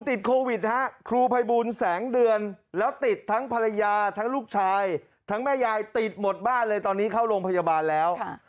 ติดโควิดฮะครูภัยบูลแสงเดือนแล้วติดทั้งภรรยาทั้งลูกชายทั้งแม่ยายติดหมดบ้านเลยตอนนี้เข้าโรงพยาบาลแล้ว